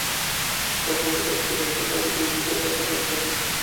তার মানে দাঁড়াচ্ছে, ভারতীয় নারী ক্রীড়াবিদেরা এখন আর শাড়িতে স্বচ্ছন্দ নন।